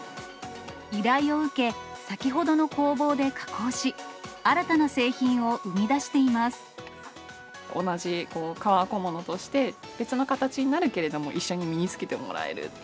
依頼を受け、先ほどの工房で加工し、新たな製品を生み出していま同じ革小物として、別の形になるけれども、一緒に身に着けてもらえる。